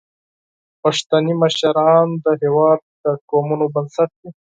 پښتني مشران د هیواد د قومونو بنسټ دي.